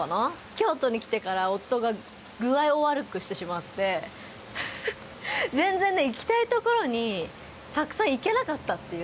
京都に来てから夫が具合を悪くしてしまって全然行きたいところにたくさん行けなかったっていう。